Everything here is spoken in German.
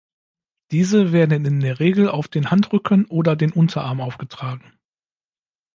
Diese werden in der Regel auf den Handrücken oder den Unterarm aufgetragen.